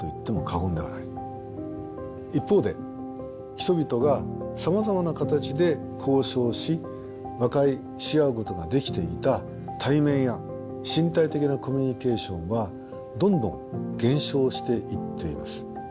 一方で人々がさまざまな形で交渉し和解し合うことができていた対面や身体的なコミュニケーションはどんどん減少していっています。